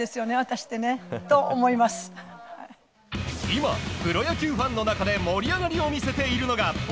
今、プロ野球ファンの中で盛り上がりを見せているのが「＃